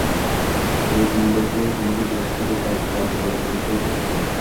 এ তোমাদেরকে তোমাদের দেশ হতে তার জাদুবলে বহিষ্কার করতে চায়।